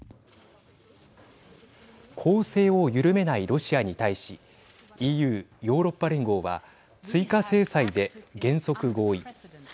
攻勢を緩めないロシアに対しＥＵ＝ヨーロッパ連合は追加制裁で原則合意。